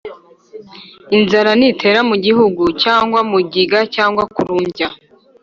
inzara nitera mu gihugu cyangwa mugiga cyangwa kurumbya